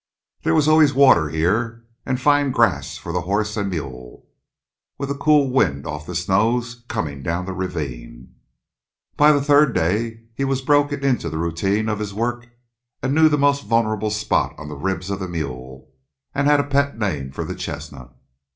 There was always water here, and fine grass for the horse and mule, with a cool wind off the snows coming down the ravine. By the third day he was broken into the routine of his work and knew the most vulnerable spot on the ribs of the mule, and had a pet name for the chestnut.